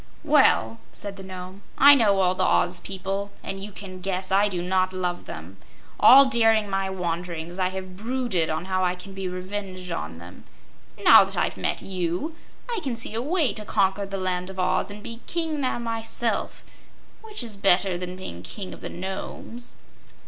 "Well," said the Nome, "I knew all the Oz people, and you can guess I do not love them. All during my wanderings I have brooded on how I can be revenged on them. Now that I've met you I can see a way to conquer the Land of Oz and be King there myself, which is better than being King of the Nomes."